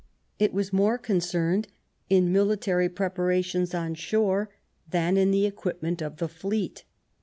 It was more con cerned in military preparations on shore than in the equipment of the fleet.